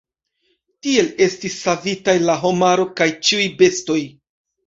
Tiel estis savitaj la homaro kaj ĉiuj bestoj.